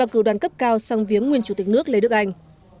cao song viếng nguyên chủ tịch nước lê đức anh